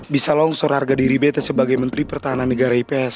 bisa longsor harga diri bts sebagai menteri pertahanan negara ips